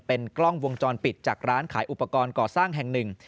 เป็นกล้องวงจรปิดจากร้านขายอุปกรณ์ก่อสร้างแห่งหนึ่ง